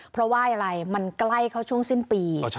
เพราะว่าอะไรมันใกล้เข้าช่วงสิ้นปี